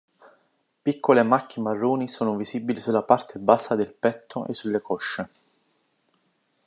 Piccole macchie marroni sono visibili sulla parte bassa del petto e sulle cosce.